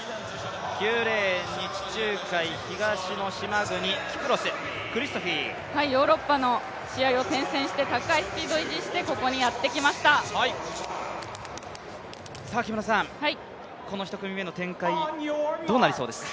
９レーンに地中海、東の島国キプロスのクリストフィヨーロッパの試合を転戦して、高いスピードを維持してこの１組目の展開どうなりそうですか？